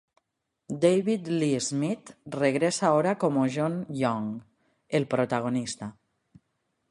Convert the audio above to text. David Lee Smith regresa ahora como John Young, el protagonista.